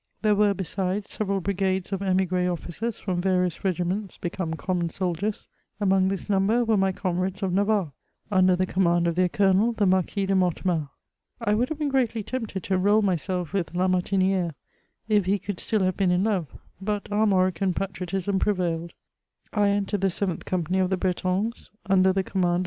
There were, he sides, several brigades of imigre officers from various regiments become common soldiers ; among this number were my com rades of Navarre^ under the command of their colonel the Marquis de Mortemart. I would have been greatly tempted to enrol myself with La Martini^re, if he could still have been in love ; but Armorican patriotism prevailed. I entered the 7th company of the Bretons, under the command of M.